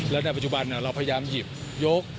แล้วในปัจจุบันเราพยายามหยิบยก